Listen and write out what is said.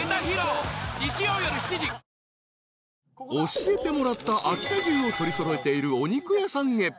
［教えてもらった秋田牛を取り揃えているお肉屋さんへ］